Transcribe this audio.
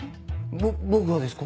ぼ僕がですか？